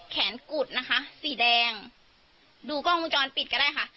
กุดนะคะสีแดงดูกล้องวงจรปิดก็ได้ค่ะ